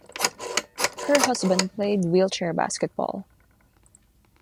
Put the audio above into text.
Her husband played wheelchair basketball.